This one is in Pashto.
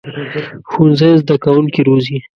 ښوونځی زده کوونکي روزي